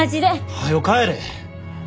はよ帰れ！